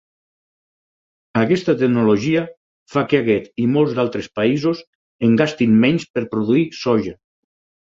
Aquesta tecnologia fa que aquest i molts d'altres països en gastin menys per produir soia.